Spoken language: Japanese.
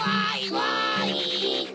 わい！